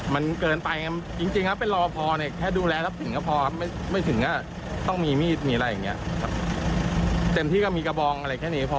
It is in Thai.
มีอะไรอย่างเงี้ยเต็มที่ก็มีกระบองอะไรแค่นี้พอ